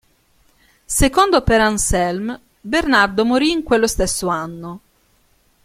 Secondo Pere Anselme, Bernardo morì in quello stesso anno.